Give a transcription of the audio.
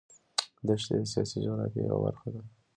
دښتې د سیاسي جغرافیه یوه برخه ده.